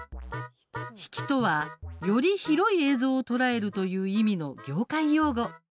ヒキとはより広い映像を捉えるという意味の業界用語。